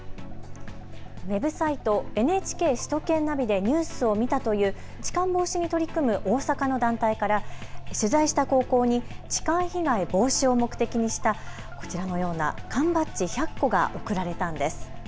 ウェブサイト、ＮＨＫ首都圏ナビでニュースを見たという痴漢防止に取り組む大阪の団体から取材した高校に痴漢被害防止を目的にした、こちらのような缶バッジ１００個が贈られたんです。